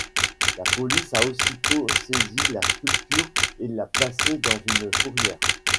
La Police a aussitôt saisi la sculpture et l’a placée dans une fourrière.